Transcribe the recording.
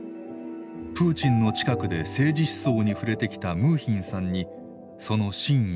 プーチンの近くで政治思想に触れてきたムーヒンさんにその真意を問いました。